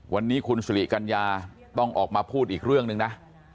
วันนี้คุณสุริกัญญาต้องออกมาพูดอีกเรื่องหนึ่งนะ